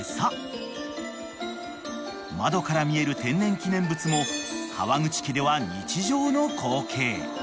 ［窓から見える天然記念物も河口家では日常の光景］